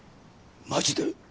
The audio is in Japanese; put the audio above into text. マジで！？